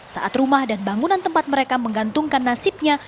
saat rumah dan bangunan tempat mereka menggantungkan nasibnya